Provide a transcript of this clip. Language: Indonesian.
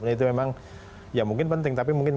itu memang ya mungkin penting tapi mungkin